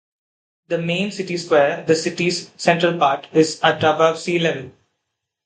The main city square, the city's central part, is at above sea level.